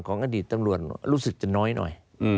อดีตตำรวจรู้สึกจะน้อยหน่อย